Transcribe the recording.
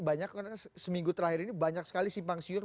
banyak karena seminggu terakhir ini banyak sekali simpang siur